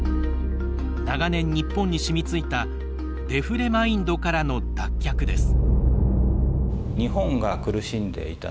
長年、日本にしみついたデフレマインドからの脱却です。